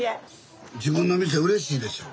自分の店うれしいでしょ。